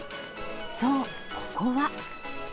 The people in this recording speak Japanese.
そう、ここは。